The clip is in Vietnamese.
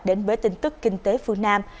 đến với tin tức kinh tế phương nam